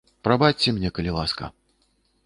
Прабачце мне, калі ласка.